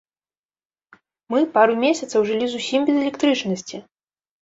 Мы пару месяцаў жылі зусім без электрычнасці!